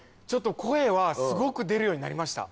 声はすごく出るようになりました。